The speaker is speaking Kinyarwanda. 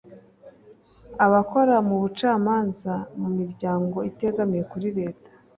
abakora mu bucamanza mu miryango itegamiye kuri leta